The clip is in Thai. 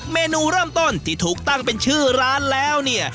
เมนูเริ่มต้นที่ถูกตั้งเป็นชื่อร้านแล้วเนี่ย